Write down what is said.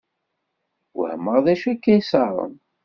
Wehmeɣ d-acu akka iṣaṛen!